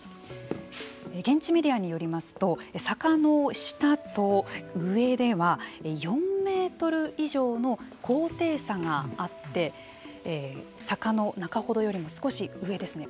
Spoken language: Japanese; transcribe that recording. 現地メディアによりますと坂の下と上では４メートル以上の高低差があって坂の中程よりも少し上ですね